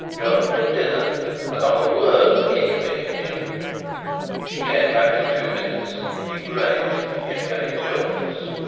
Go and bring dinner, and not a word of the King being here." She came back in a few minutes, looking grave, yet very curious.